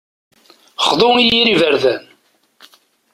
Xḍu i yir iberdan.